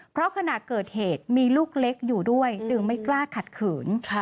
เพราะขณะเกิดเหตุมีลูกเล็กอยู่ด้วยจึงไม่กล้าขัดขืน